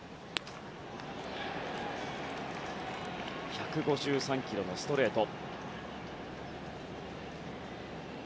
１５３キロのストレート。